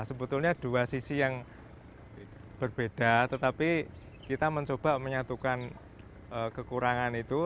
sebetulnya dua sisi yang berbeda tetapi kita mencoba menyatukan kekurangan itu